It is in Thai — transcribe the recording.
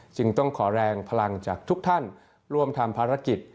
จึงต้องขอแรงพลังจากทุกท่านร่วมทำภารกิจ